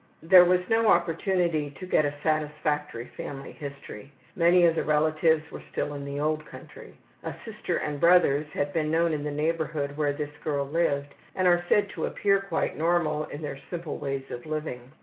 There was no opportunity to get a satisfactory family history. Many of the relatives were still in the old country. A sister and brothers have been known in the neighborhood where this girl lived, and are said to appear quite normal in their simple ways of living.